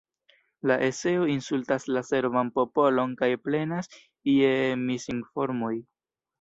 La eseo insultas la serban popolon kaj plenas je misinformoj.